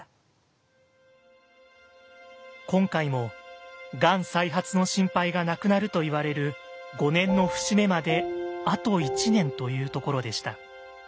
今回もがん再発の心配がなくなるといわれる５年の節目まであと１年というところでした。